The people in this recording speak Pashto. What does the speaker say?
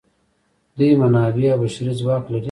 دوی منابع او بشري ځواک لري.